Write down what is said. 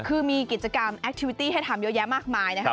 คือมีกิจกรรมแอคทิวิตี้ให้ทำเยอะแยะมากมายนะครับ